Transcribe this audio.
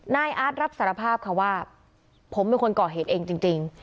นายอาร์ตรับสารภาพค่ะว่าผมเป็นคนก่อเหตุเองจริง